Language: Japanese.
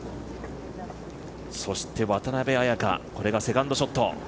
そして渡邉彩香これがセカンドショット。